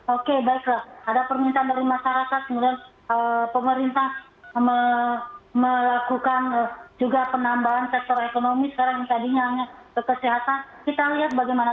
oke baiklah ada permintaan dari masyarakat kemudian pemerintah melakukan juga penambahan sektor ekonomi sekarang yang tadinya hanya ke kesehatan kita lihat bagaimana